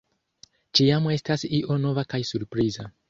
Ĉiam estas io nova kaj surpriza.